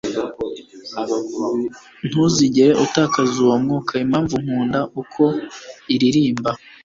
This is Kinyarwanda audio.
ntuzigere utakaza uwo mwuka 'impamvu nkunda uko iririmba